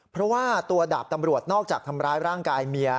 เพราะว่าตัวดาบตำรวจนอกจากทำร้ายร่างกายเมีย